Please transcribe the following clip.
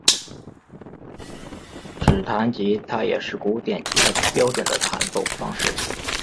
指弹吉他也是古典吉他标准的弹奏方式。